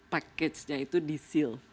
paketnya itu di seal